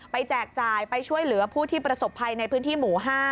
แจกจ่ายไปช่วยเหลือผู้ที่ประสบภัยในพื้นที่หมู่๕